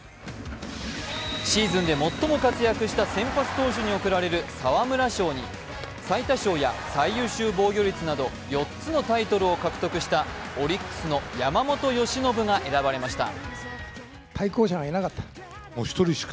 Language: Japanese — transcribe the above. シーズンで最も活躍した先発投手に贈られる沢村賞に最多勝や最優秀防御率など４つのタイトルを獲得したオリックスの山本由伸が選ばれました。